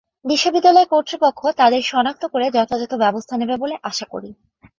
বিশ্ববিদ্যালয় কর্তৃপক্ষ তাঁদের শনাক্ত করে যথাযথ ব্যবস্থা নেবে বলে আশা করি।